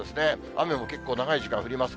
雨も結構長い時間降ります。